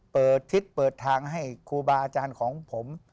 เปิดทิศเปิดทางให้ครูบาอาจารย์ของผม